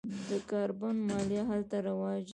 د کاربن مالیه هلته رواج ده.